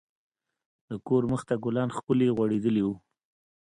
د کور مخ ته ګلان ښکلي غوړیدلي وو.